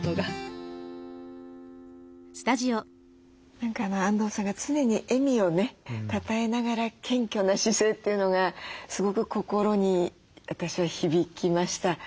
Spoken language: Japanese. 何かあんどうさんが常に笑みをねたたえながら謙虚な姿勢というのがすごく心に私は響きました。